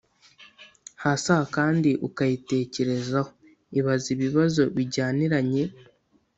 hasi aha kandi ukayitekerezaho ibaze ibibazo bijyaniranye